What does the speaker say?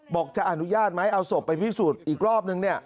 บอกจะอนุญาตไหมเอาศพไปพิสูจน์อีกรอบนึงเนี่ย